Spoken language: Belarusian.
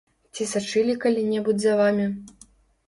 Ці сачылі калі-небудзь за вамі?